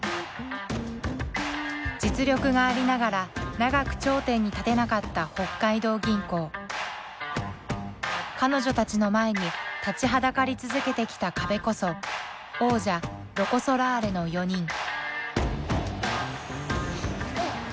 実力がありながら長く頂点に立てなかった彼女たちの前に立ちはだかり続けてきた壁こそ王者ロコ・ソラーレの４人。